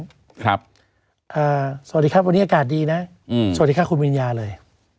สวัสดีครับวันนี้อากาศดีนะสวัสดีค่ะคุณวิญญาเลย